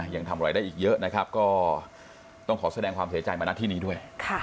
ยังทำอะไรได้อีกเยอะนะครับก็ต้องขอแสดงความเสียใจมาณที่นี้ด้วย